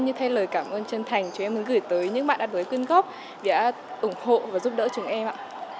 như thay lời cảm ơn chân thành chúng em muốn gửi tới những bạn đặt đối quyên góp để ủng hộ và giúp đỡ chúng em ạ